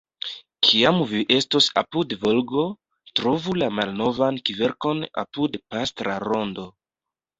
Kiam vi estos apud Volgo, trovu la malnovan kverkon apud Pastra Rondo.